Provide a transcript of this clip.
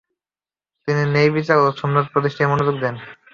তিনি ন্যায়বিচার ও সুন্নত প্রতিষ্ঠায় মনোযোগ দেন।